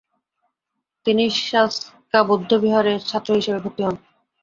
তিনি সা-স্ক্যা বৌদ্ধবিহারে ছাত্র হিসেবে ভর্তি হন।